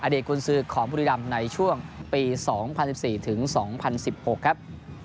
อดีตกลสือของบุรีดำในช่วงปี๒๐๑๔๒๐๑๖ครับ